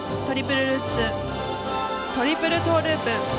トリプルルッツトリプルトーループ。